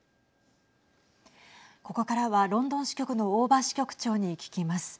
ここからは、ロンドン支局の大庭支局長に聞きます。